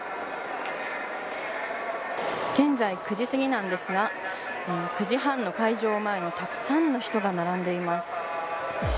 現在、９時すぎなんですが９時半の開場前にたくさんの人が並んでいます。